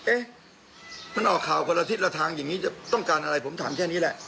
เอ๊ะมันออกข่าวคนละทิศละทางอย่างนี้จะต้องการอะไรผมถามแค่นี้แหละ